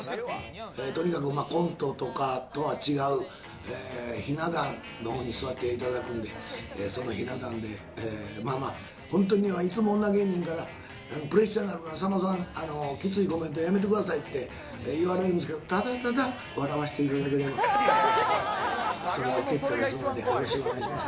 とにかくコントとかとは違う、ひな壇のほうに座っていただくんで、そのひな壇でまあまあ、本当に、いつも女芸人から、プレッシャーになるから、さんまさん、きついコメントやめてくださいって言われているんですけど、ただただ笑わせていただければ、それで結構ですので、よろしくお願いします。